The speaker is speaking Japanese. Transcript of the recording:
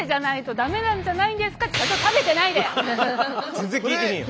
全然聞いてねえよ。